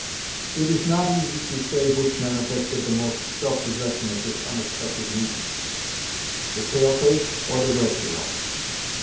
It is not easy to say which manifested the most self possession at this unexpected meeting; the pale face, or the red girl.